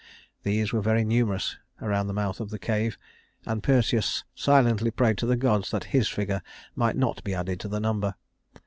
These were very numerous around the mouth of the cave, and Perseus silently prayed to the gods that his figure might not be added to the number.